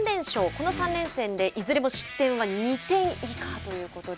この３連戦でいずれも失点は２点以下ということで。